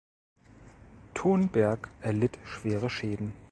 Thonberg erlitt schwere Schäden.